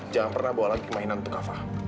jangan pernah bawa lagi mainan untuk kafa